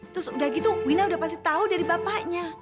terus udah gitu wina udah pasti tahu dari bapaknya